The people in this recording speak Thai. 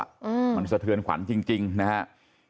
อืมมันสะเทือนขวัญจริงนะครับ